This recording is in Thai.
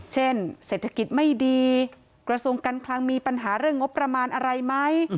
เศรษฐกิจไม่ดีกระทรวงการคลังมีปัญหาเรื่องงบประมาณอะไรไหม